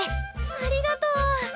ありがとう！